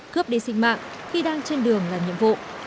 cướp đi sinh mạng khi đang trên đường làm nhiệm vụ